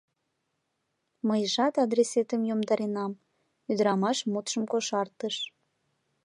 Мыйжат адресетым йомдаренам, — ӱдырамаш мутшым кошартыш.